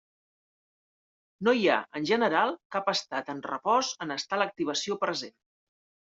No hi ha, en general, cap estat en repòs en estar l'activació present.